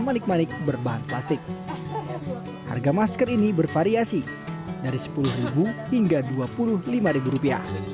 manik manik berbahan plastik harga masker ini bervariasi dari sepuluh hingga dua puluh lima rupiah